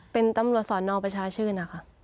เป็นตำรวจสอนอประชาชื่นนะคะ